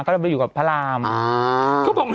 ก็เลยไปอยู่กับพระราม